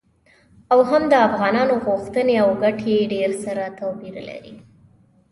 او هم د افغانانو غوښتنې او ګټې ډیر سره توپیر لري.